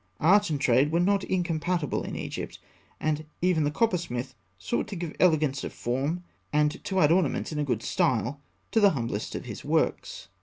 Art and trade were not incompatible in Egypt; and even the coppersmith sought to give elegance of form, and to add ornaments in a good style, to the humblest of his works.